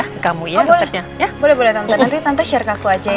boleh boleh tante nanti tante share ke aku aja ya